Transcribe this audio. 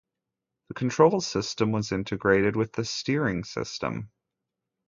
The control system was integrated with the steering system.